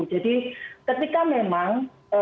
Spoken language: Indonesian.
jadi ketika memang